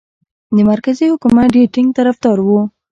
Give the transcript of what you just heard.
د مرکزي حکومت ډېر ټینګ طرفدار وو.